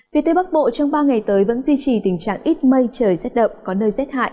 vì tây bắc bộ trong ba ngày tới vẫn duy trì tình trạng ít mây trời rét đậm có nơi rét hại